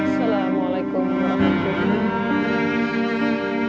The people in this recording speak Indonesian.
salamualaikum warahmatullahi wabarakatuh